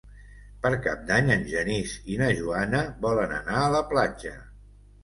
Per Cap d'Any en Genís i na Joana volen anar a la platja.